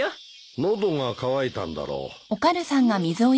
喉が渇いたんだろう。